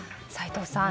齋藤さん